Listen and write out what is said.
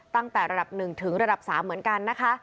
ตั้งแต่ระดับ๑ถึงระดับ๓เหมือนกันนะคะ